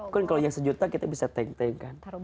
kan kalau yang satu juta kita bisa teng teng kan